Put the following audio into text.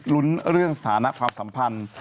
รุ้นเรื่องสถานะความสัมพันธ์